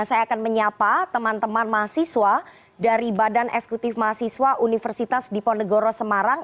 saya akan menyapa teman teman mahasiswa dari badan eksekutif mahasiswa universitas diponegoro semarang